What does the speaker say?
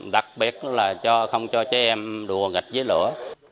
đặc biệt là không cho trẻ em đùa nghịch với lửa